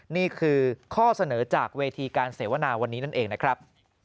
นี่คือข้อเสนอจากเวทีการเสวนาวันนี้นั่นเองนะครับ